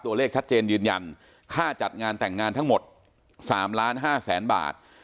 ตัวเลขชัดเจนยืนยันค่าจัดงานแต่งงานทั้งหมด๓ล้าน๕แสนบาท